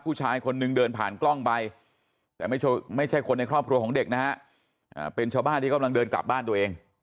ผู้ชายคนนึงเดินผ่านกล้องไปแต่ไม่ใช่คนในครอบครัวของเด็กนะฮะเป็นชาวบ้านที่กำลังเดินกลับบ้านตัวเอง